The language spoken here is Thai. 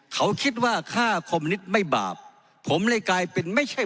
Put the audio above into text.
เขาคิดว่าค่าคมนิตไม่บาปผมเลยกลายเป็นไม่ใช่